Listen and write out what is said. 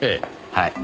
はい。